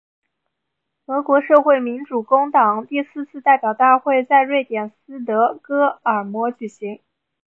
俄国社会民主工党第四次代表大会在瑞典斯德哥尔摩举行。